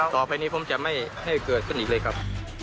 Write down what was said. ต่อไปนี้ผมจะไม่ให้เกิดขึ้นอีกเลยครับ